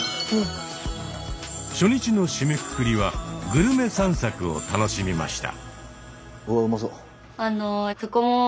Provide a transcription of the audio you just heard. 初日の締めくくりはグルメ散策を楽しみました。